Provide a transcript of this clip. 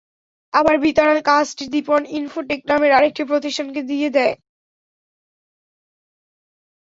আবার বিতারা কাজটি দীপন info take নামের আরেকটি প্রতিষ্ঠানকে দিয়ে দেয়।